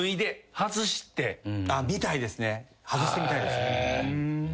外してみたいです。